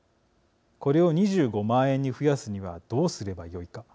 これを２５万円に増やすにはどうすればよいか。